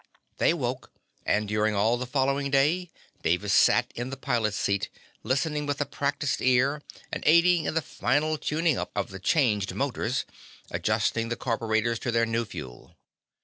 They woke, and during all the following day Davis sat in the pilot's seat, listening with a practiced ear and aiding in the final tuning up of the changed motors, adjusting the carburetors to their new fuel.